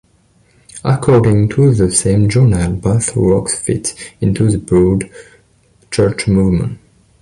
According to the same journal, both works fit into the broad church movement.